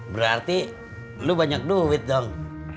berarti lu banyak duit dong